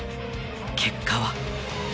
結果は。